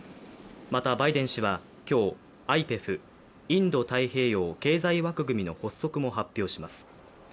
また、バイデン氏は今日、ＩＰＥＦ＝インド太平洋経済枠組みの発足も発表します。